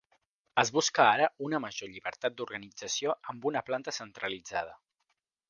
Es busca ara una major llibertat d'organització amb una planta centralitzada.